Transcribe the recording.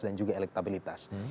dan juga elektabilitas